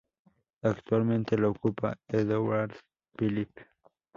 Actualmente lo ocupa Édouard Philippe.